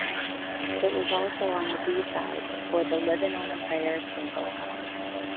It was also on the B-side for the "Livin' on a Prayer" single.